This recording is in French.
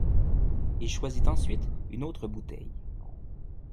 Il choisit ensuite une autre bouteille.